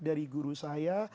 dari guru saya